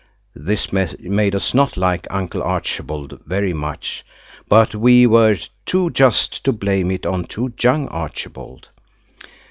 This made us not like Uncle Archibald very much, but we were too just to blame it on to young Archibald.